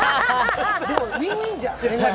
ウィンウィンじゃん。